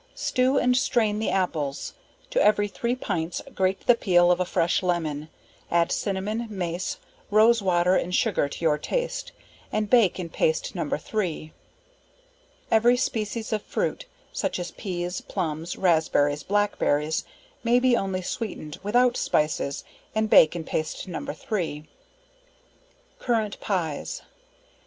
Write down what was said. Stew and strain the apples, to every three pints, grate the peal of a fresh lemon, add cinnamon, mace, rose water and sugar to your taste and bake in paste No. 3. Every species of fruit such as peas, plums, raspberries, black berries may be only sweetened, without spices and bake in paste No. 3. Currant Pies.